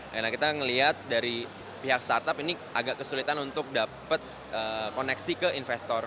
karena kita ngelihat dari pihak startup ini agak kesulitan untuk dapat koneksi ke investor